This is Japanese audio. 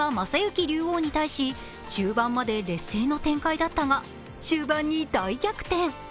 豊島将之竜王に対し中盤まで劣勢の展開だったが終盤に大逆転。